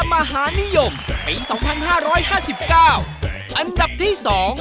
มหานิยมปี๒๕๕๙อันดับที่๒